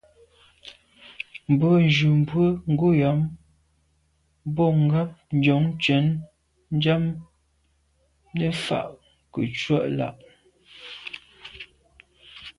Mbwe njùmbwe ngùnyàm bo ngab Njon tshen nyàm ni fa ke ntsw’a là’.